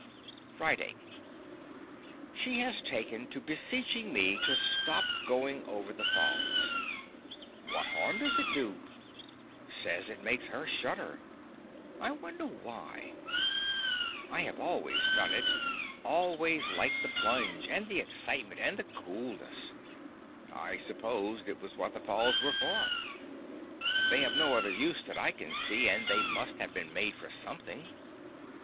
Friday She has taken to beseeching me to stop going over the Falls. What harm does it do? Says it makes her shudder. I wonder why. I have always done it—always liked the plunge, and the excitement, and the coolness. I supposed it was what the Falls were for. They have no other use that I can see, and they must have been made for something.